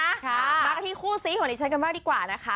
มากันที่คู่ซี้ของดิฉันกันบ้างดีกว่านะคะ